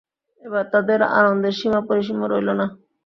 এবার তাদের আনন্দের সীমা পরিসীমা রইলো না।